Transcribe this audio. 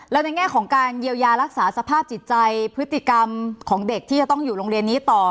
แล้วในแง่ของการเยียวยารักษาสภาพจิตใจพฤติกรรมของเด็กที่จะต้องอยู่โรงเรียนนี้ต่อ